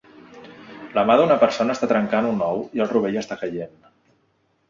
La mà d'una persona està trencant un ou i el rovell està caient